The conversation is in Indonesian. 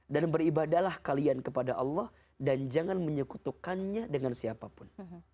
dan beribadalah kalian kepada allah dan jangan menyekutukannya dengan siapapun